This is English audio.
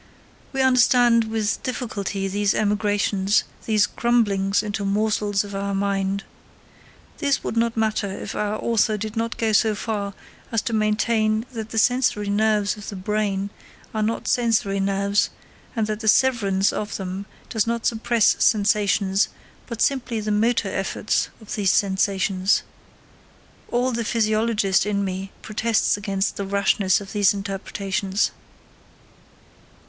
We understand with difficulty these emigrations, these crumblings into morsels of our mind. This would not matter if our author did not go so far as to maintain that the sensory nerves of the brain are not sensory nerves, and that the severance of them does not suppress sensations, but simply the motor efforts of these sensations. All the physiologist in me protests against the rashness of these interpretations.